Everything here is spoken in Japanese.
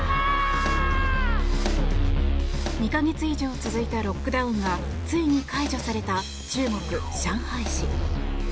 ２か月以上続いたロックダウンがついに解除された中国・上海市。